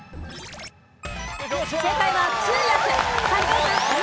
正解は通訳。